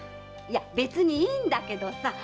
いや別にいいんだけどさ！